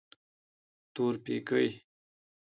تورپيکۍ.